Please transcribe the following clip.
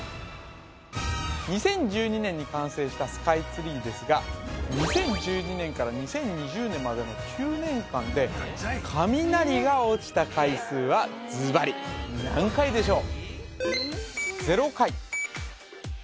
２０１２年に完成したスカイツリーですが２０１２年から２０２０年までの９年間で雷が落ちた回数はズバリ何回でしょう？